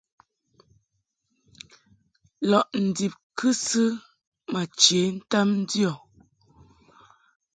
Lɔʼ ndib kɨsɨ ma che ntam ndio.